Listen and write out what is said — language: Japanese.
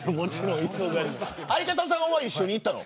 相方さんは一緒に行ったの。